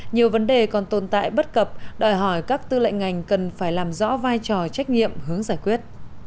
nhiều vấn đề còn tồn tại bất cập đòi hỏi các tư lệnh ngành cần phải làm rõ vai trò trách nhiệm hướng giải quyết